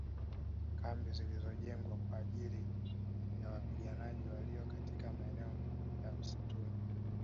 Kambi zilizojengwa kwa ajili ya wapiganaji walio katika maeneo ya msituni